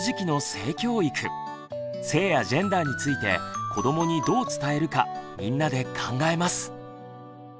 性やジェンダーについて子どもにどう伝えるかみんなで考えます。